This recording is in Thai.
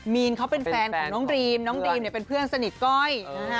มีนเขาเป็นแฟนของน้องดรีมน้องดรีมเป็นเพื่อนสนิทก้อย